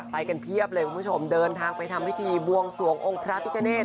ไปกันเพียบเลยคุณผู้ชมเดินทางไปทำพิธีบวงสวงองค์พระพิกาเนต